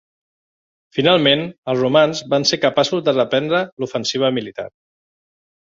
Finalment, els romans van ser capaços de reprendre l'ofensiva militar.